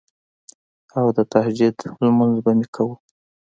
او د تهجد مونځ به مې کوو